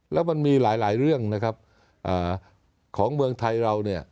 แล้วมันมีหลายเรื่องของเมืองไทยเรา